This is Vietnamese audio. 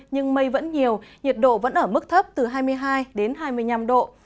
nhưng mây vẫn nhiều nhiệt độ vẫn ở mức thấp từ hai mươi hai đến hai mươi năm độ